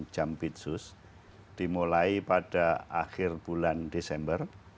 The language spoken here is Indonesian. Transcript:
jambit sus dimulai pada akhir bulan desember